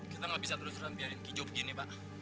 kita gak bisa terus terusan biarin kijo begini pak